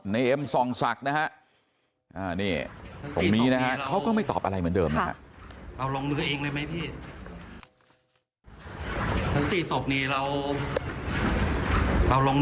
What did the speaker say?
ในเอ็มส่องศักดิ์นะครับอันนี้ตรงนี้นะครับเขาก็ไม่ตอบอะไรเหมือนเดิมนะครับ